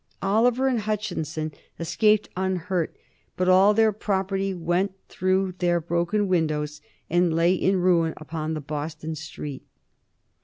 Oliver and Hutchinson escaped unhurt, but all their property went through their broken windows and lay in ruin upon the Boston streets.